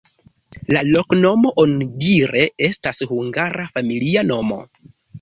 La loknomo onidire estas hungara familia nomo.